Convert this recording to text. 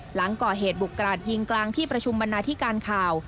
หลังก่อเหตุบุกกราดยิงกลางที่ประชุมบรรณาธิการข่าว